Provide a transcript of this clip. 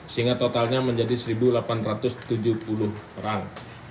sehingga totalnya menjadi satu delapan ratus tujuh puluh orang